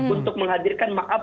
untuk menghadirkan maaf